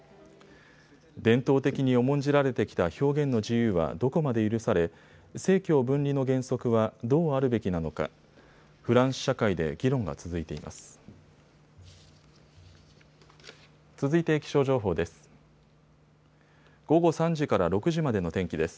伝統的に重んじられてきた表現の自由はどこまで許され政教分離の原則はどうあるべきなのかフランス社会で議論が続いています。